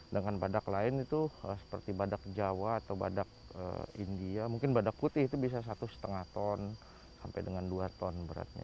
dengan badak lain itu seperti badak jawa atau badak india mungkin badak putih itu bisa satu lima ton sampai dengan dua ton beratnya